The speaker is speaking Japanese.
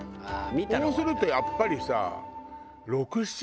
そうするとやっぱりさ。